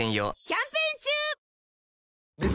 キャンペーン中！